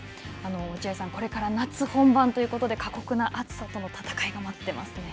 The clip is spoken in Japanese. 落合さん、これから夏本番ということで、過酷な暑さとの戦いが待っていますね。